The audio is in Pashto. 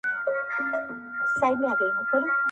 چي څوك تا نه غواړي.